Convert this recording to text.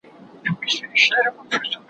له خپل یار سره روان سو دوکاندار ته